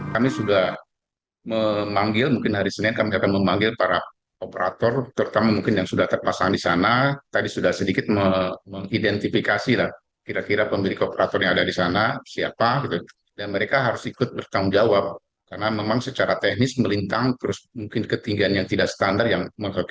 kami sudah memanggil mungkin hari senin kami akan memanggil para operator terutama yang sudah terpasang